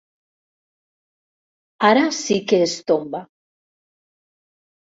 Ara sí que es tomba.